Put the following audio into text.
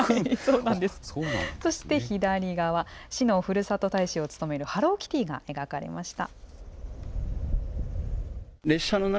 そして左側、市のふるさと大使を務めるハローキティが描かれました。